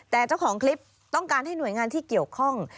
แต่เจ้าของคลิปต้องการให้หน่วยงานที่เกี่ยวข้อง